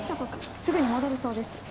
すぐに戻るそうです。